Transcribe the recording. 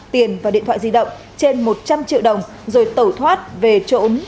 tiền và điện thoại di động trên một trăm linh triệu đồng rồi tẩu thoát về chỗ